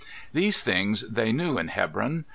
These things they knew in Hebron.